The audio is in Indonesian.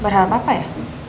berharap apa ya